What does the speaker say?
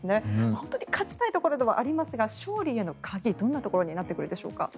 本当に勝ちたいところではありますが勝利への鍵、どんなところになってくるでしょうか。